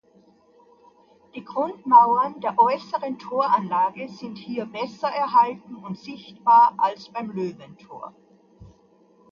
Die Grundmauern der äußeren Toranlage sind hier besser erhalten und sichtbar als beim Löwentor.